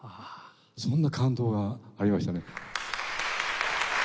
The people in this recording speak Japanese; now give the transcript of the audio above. そんな感動がありましたね。